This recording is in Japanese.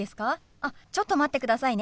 あっちょっと待ってくださいね。